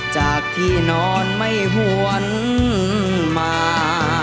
จากที่นอนไม่หวนมา